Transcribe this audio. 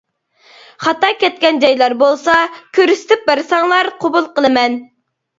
خاتا كەتكەن جايلار بولسا كۆرسىتىپ بەرسەڭلار قوبۇل قىلىمەن.